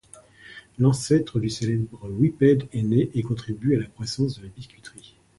L’ancêtre du célèbre Whippet est né et contribue à la croissance de la biscuiterie.